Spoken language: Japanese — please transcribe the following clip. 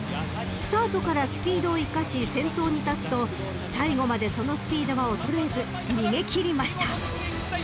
［スタートからスピードを生かし先頭に立つと最後までそのスピードは衰えず逃げ切りました］